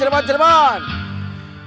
terima kasih buat informasinya